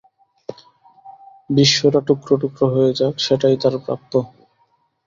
বিশ্বটা টুকরো টুকরো হয়ে যাক, সেটাই তার প্রাপ্য!